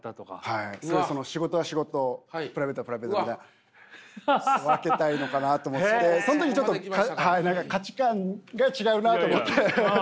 仕事は仕事プライベートはプライベートみたいな分けたいのかなと思ってその時ちょっとはい何か価値観が違うなと思って。